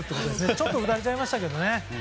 ちょっと打たれちゃいましたが。